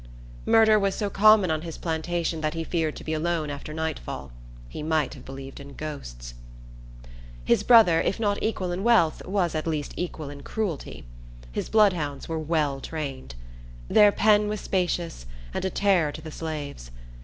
Murder was so common on his plantation that he feared to be alone after nightfall. He might have believed in ghosts. His brother, if not equal in wealth, was at least equal in cruelty. His bloodhounds were well trained. Their pen was spacious, and a terror to the slaves.